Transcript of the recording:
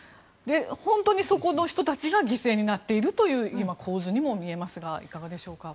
本当にそこの人たちが犠牲になっているという今、構図にも見えますがいかがでしょうか。